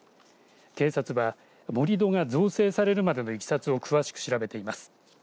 警察は盛り土が造成されるまでのいきさつを詳しく調べています。